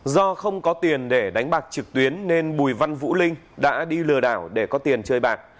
do không có tiền để đánh bạc trực tuyến nên bùi văn vũ linh đã đi lừa đảo để có tiền chơi bạc